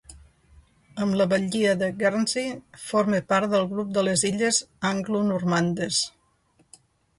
Amb la Batllia de Guernsey forma part del grup de les Illes Anglonormandes.